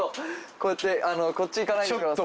こうやってこっち行かないでくださ。